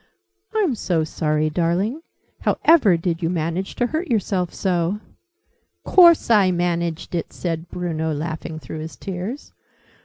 "I'm so sorry, darling! How ever did you manage to hurt yourself so?" "Course I managed it!" said Bruno, laughing through his tears.